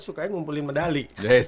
sukanya ngumpulin medali